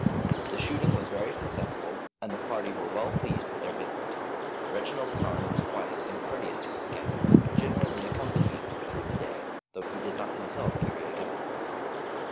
The shooting was very successful, and the party were well pleased with their visit. Reginald Carne was quiet and courteous to his guests, generally accompanying them through the day, though he did not himself carry a gun.